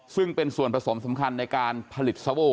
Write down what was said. ซึ่งเป็นส่วนผสมสำคัญในการผลิตสว